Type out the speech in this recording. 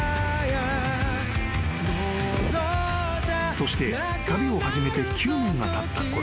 ［そして旅を始めて９年がたったころ］